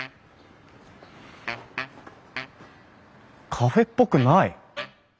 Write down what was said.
カフェっぽくない！